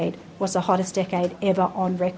dan tahun terang terang